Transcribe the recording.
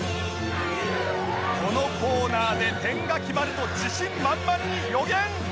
「このコーナーで点が決まる」と自信満々に予言！